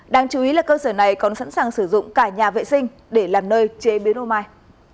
đáng chú ý là cơ sở này còn sẵn sàng sử dụng cả nhà vệ sinh để làm nơi chế biến romai